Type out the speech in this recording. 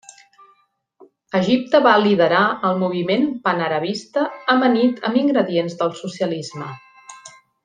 Egipte va liderar el moviment panarabista amanit amb ingredients del socialisme.